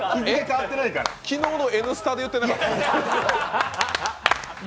えっ、昨日の「Ｎスタ」で言ってなかった？